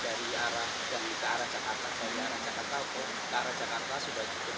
dari arah jakarta ke arah jakarta sudah cukup ramai